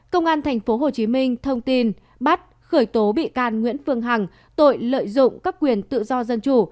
công an tp hcm thông tin bắt khởi tố bị can nguyễn phương hằng tội lợi dụng các quyền tự do dân chủ